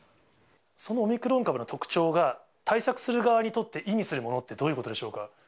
そのオミクロン株の特徴が、対策する側にとって意味するものって、どういうことでしょうか。